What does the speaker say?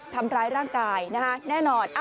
๓ทำร้ายร่างกายแน่นอน